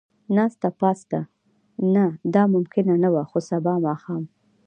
ناسته پاسته، نه دا ممکنه نه وه، خو سبا ماښام.